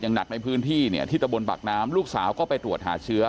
หนักในพื้นที่เนี่ยที่ตะบนปากน้ำลูกสาวก็ไปตรวจหาเชื้อ